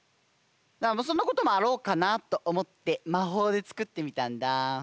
そんなこともあろうかなとおもってまほうでつくってみたんだ。